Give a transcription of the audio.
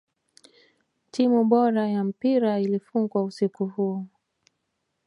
timu bora ya mpira ilifungwa usiku huo